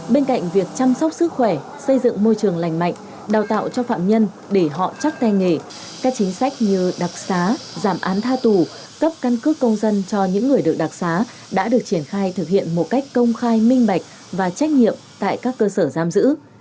bên cạnh việc chăm sóc sức khỏe xây dựng môi trường lành mạnh đào tạo cho phạm nhân để họ chắc tay nghề các chính sách như đặc xá giảm án tha tù cấp căn cước công dân cho những người được đặc xá đã được triển khai thực hiện một cách công khai minh bạch và trách nhiệm tại các cơ sở giam giữ